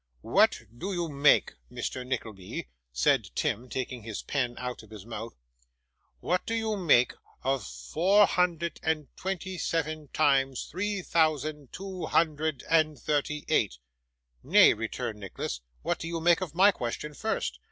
'What do you make, Mr. Nickleby,' said Tim, taking his pen out of his mouth, 'what do you make of four hundred and twenty seven times three thousand two hundred and thirty eight?' 'Nay,' returned Nicholas, 'what do you make of my question first?